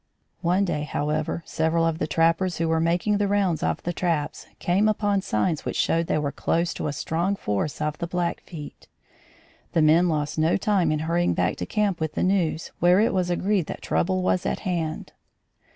One day, however, several of the trappers who were making the rounds of the traps, came upon signs which showed they were close to a strong force of the Blackfeet. The men lost no time in hurrying back to camp with the news, where it was agreed that trouble was at hand.